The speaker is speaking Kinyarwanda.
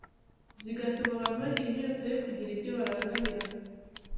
zigatuma abantu bagira inyota yo kugira ibyo barangamira